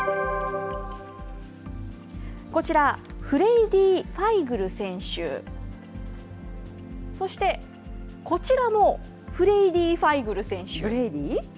こちら、ブレイディ・ファイグル選手、そして、こちらもブレイディ・ファイグル選手。